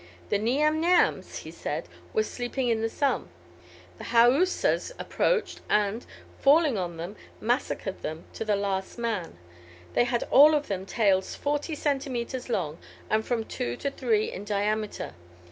"The Niam niams," he says, "were sleeping in the sun: the Haoussas approached, and, falling on them, massacred them to the last man. They had all of them tails forty centimetres long, and from two to three in diameter.